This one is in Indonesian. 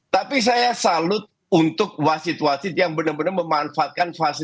tapi saya salut untuk wasit wasit yang benar benar memanfaatkan fasilitas